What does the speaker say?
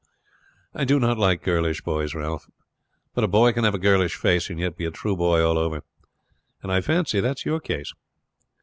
"I do not like girlish boys, Ralph; but a boy can have a girlish face and yet be a true boy all over. I fancy that's your case.